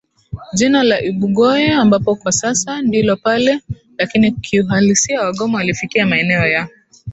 jina la Ibugoye ambapo kwa sasa ndio pale Lakini Kiuhalisia Wagoma walifikia Maeneo ya